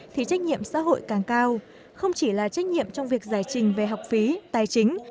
thì trách nhiệm xã hội càng cao không chỉ là trách nhiệm trong việc giải trình về học phí tài chính